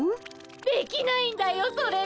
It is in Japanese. できないんだよそれが。